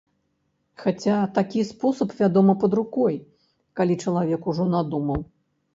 Хаця, такі спосаб, вядома, пад рукой, калі чалавек ужо надумаў.